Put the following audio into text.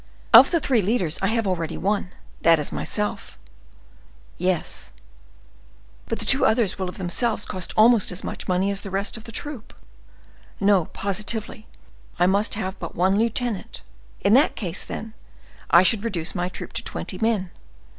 Of the three commanders I have already one—that is myself;—yes, but the two others will of themselves cost almost as much money as all the rest of the troop. No; positively I must have but one lieutenant. In that case, then, I should reduce my troop to twenty men.